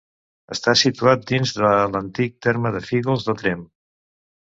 Està situat dins de l'antic terme de Fígols de Tremp.